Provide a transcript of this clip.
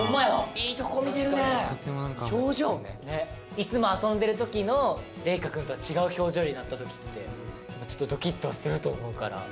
いつも遊んでる時の玲翔くんとは違う表情になった時ってちょっとドキッとすると思うから。